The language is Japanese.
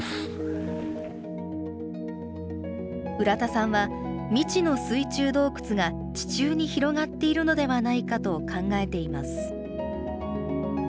浦田さんは、未知の水中洞窟が地中に広がっているのではないかと考えています。